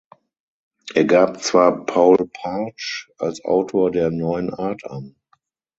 Er gab zwar Paul Partsch als Autor der neuen Art an.